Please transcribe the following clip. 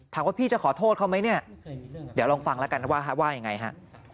ถามว่าพี่จะขอโทษเขาไหมเนี่ยเดี๋ยวลองฟังแล้วกันว่าว่ายังไงฮะ